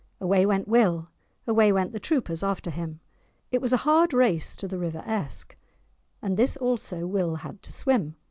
Away went Will, away went the troopers after him. It was a hard race to the river Esk, and this also Will had to swim.